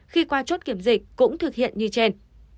khi qua chốt kiểm dịch cũng thực hiện như trên